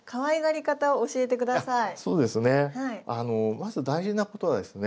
まず大事なことはですね